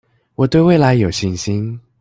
我對未來有信心